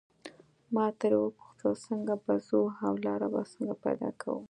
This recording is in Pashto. ما ترې وپوښتل څنګه به ځو او لاره به څنګه پیدا کوو.